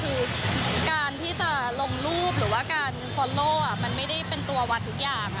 คือการที่จะลงรูปหรือการเป็นอันดับมันไม่ได้เป็นตัวน์ทุกอย่าง